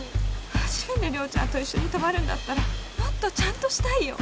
初めて涼ちゃんと一緒に泊まるんだったらもっとちゃんとしたいよ。